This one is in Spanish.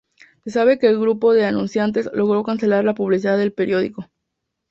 Se sabe que el grupo de anunciantes logró cancelar la publicidad del periódico.